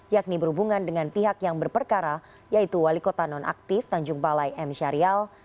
yakni berhubungan dengan pihak yang berperkara yaitu wali kota nonaktif tanjung balai m syarial